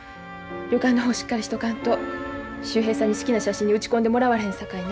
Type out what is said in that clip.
旅館の方をしっかりしとかんと秀平さんに好きな写真に打ち込んでもらわれへんさかいな。